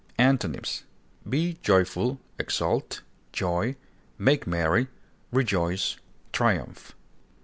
Antonyms: be joyful, exult, joy, make merry, rejoice, triumph.